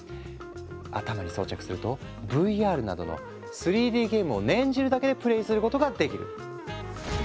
頭に装着するとＶＲなどの３Ｄゲームを念じるだけでプレイすることができる。